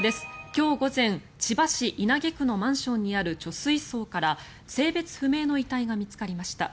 今日午前、千葉市稲毛区のマンションにある貯水槽から性別不明の遺体が見つかりました。